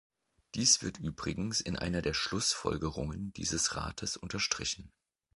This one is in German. Dies wird übrigens in einer der Schlussfolgerungen dieses Rates unterstrichen.